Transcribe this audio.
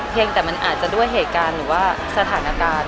ยังแต่มันอาจจะด้วยเหตุการณ์หรือว่าสถานการณ์